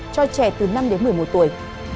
cho trẻ từ năm đến một mươi một tuổi